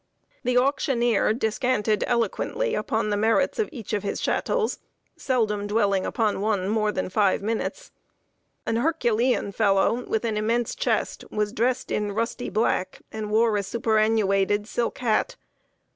The auctioneer descanted eloquently upon the merits of each of his chattels, seldom dwelling upon one more than five minutes. An herculean fellow, with an immense chest, was dressed in rusty black, and wore a superannuated silk hat.